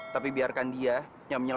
tapi biarkan dia nyam nyam